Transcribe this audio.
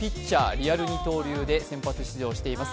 リアル二刀流で先発出場しています。